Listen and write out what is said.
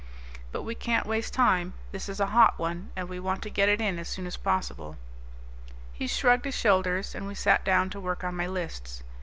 But we can't waste time. This is a hot one, and we want to get it in as soon as possible." He shrugged his shoulders, and we sat down to work on my lists.